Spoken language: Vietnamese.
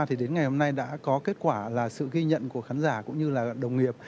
thì đến ngày hôm nay đã có kết quả là sự ghi nhận của khán giả cũng như là đồng nghiệp